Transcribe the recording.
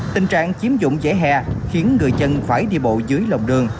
tình trạng chiếm dụng dễ hè khiến người chân phải đi bộ dưới lồng đường